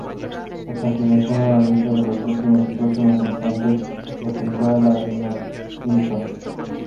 A continuación una lista de los últimos y próximos encuentros que tendrá "La Vinotinto".